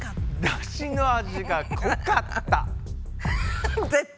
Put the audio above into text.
ダシの味が濃かった。